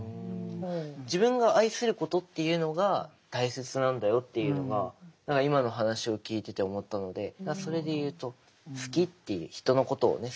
自分が愛することっていうのが大切なんだよっていうのが何か今の話を聞いてて思ったのでそれで言うと好きっていう人のことをね